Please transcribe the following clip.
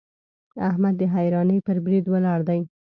احمد د حيرانۍ پر بريد ولاړ دی.